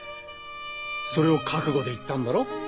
それを覚悟で行ったんだろ。